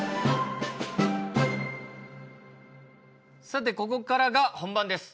さてここからが本番です。